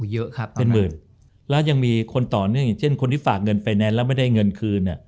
เยอะครับเป็นหมื่นแล้วยังมีคนต่อเนื่องอย่างเช่นคนที่ฝากเงินไฟแนนซ์แล้วไม่ได้เงินคืน